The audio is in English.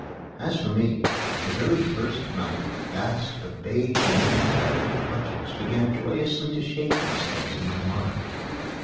As for me, the very first night vast but vague humanitarian projects began joyously to shape themselves in my mind.